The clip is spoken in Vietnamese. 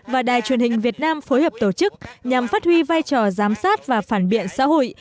và đài truyền hình việt nam phối hợp tổ chức nhằm phát huy vai trò giám sát và phản biện xã hội